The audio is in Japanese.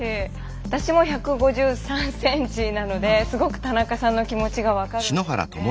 私も１５３ｃｍなのですごく田中さんの気持ちが分かるんですね。